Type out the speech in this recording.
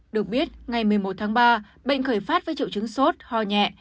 được biết ngày một mươi một tháng ba bệnh khởi phát với triệu chứng sốt ho nhẹ